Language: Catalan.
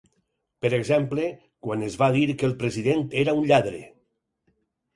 Per exemple, quan es va dir que el president era un lladre.